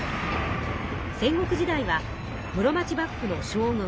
戦国時代は室町幕府の将軍